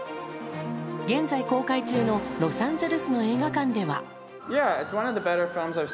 現在公開中のロサンゼルスの映画館では。